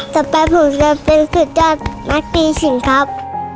ต่อไปผมจะเป็นสุดยอดนักตีชิงครับ